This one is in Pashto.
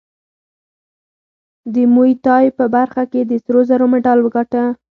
د موی تای په برخه کې د سرو زرو مډال وګاټه